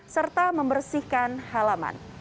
serta membersihkan halaman